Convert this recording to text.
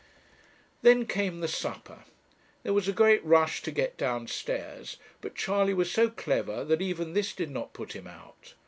Then came the supper. There was a great rush to get downstairs, but Charley was so clever that even this did not put him out.